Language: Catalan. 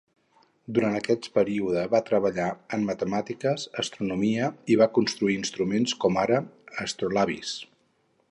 Durant aquest període va treballar en matemàtiques, astronomia i va construir instruments com ara astrolabis.